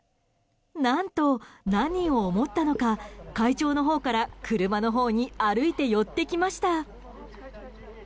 何と、何を思ったのか怪鳥のほうから車のほうに歩いて寄ってきました。